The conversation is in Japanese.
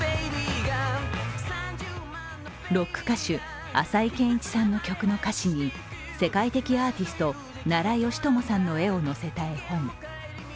ロック歌手・浅井健一さんの曲の歌詞に世界的アーティスト・奈良美智さんの絵を載せた絵本。